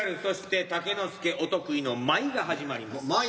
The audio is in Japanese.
そして岳之介お得意の舞が始まります。